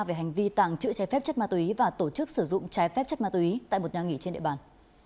về hành vi tàng trữ trái phép chất ma túy và tổ chức sử dụng trái phép chất ma túy tại một nhà nghỉ trên địa bàn